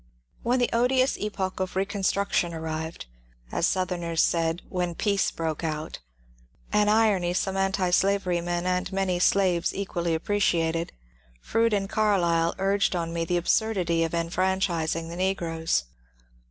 When the odious epoch of reconstruction arrived, — as Southerners said, ^^ when peace broke out," an irony some antislavery men and many slaves equally appreciated, — Froude and Carlyle urged on me the absurdity of enfran chising the negroes.